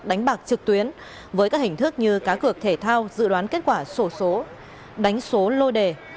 đánh bạc trực tuyến với các hình thức như cá cược thể thao dự đoán kết quả sổ số đánh số lô đề